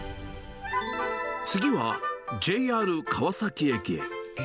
次はＪＲ川崎駅へ。